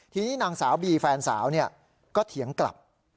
ทีนี้นางสาวบีแฟนสาวก็เถียงกลับ